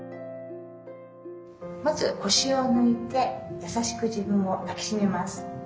まず腰を抜いて優しく自分を抱き締めます。